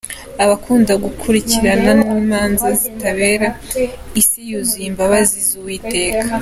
Akunda gukiranuka n’imanza zitabera, Isi yuzuye imbabazi z’Uwiteka.